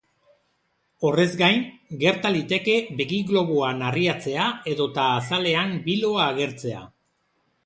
Horrez gain, gerta liteke begi-globoa narriatzea edota azalean biloa agertzea.